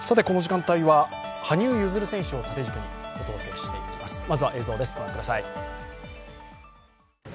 この時間帯は羽生結弦選手を縦軸にお届けしていきます。